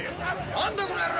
何だこの野郎！